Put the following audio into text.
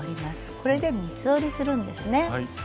これで三つ折りするんですね。